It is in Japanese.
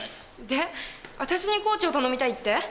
でわたしにコーチを頼みたいって？